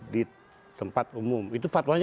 di tempat umum itu fatwanya